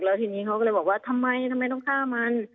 แล้วทีนี้เขาก็เลยบอกว่าทำไมทำไมต้องฆ่ามัน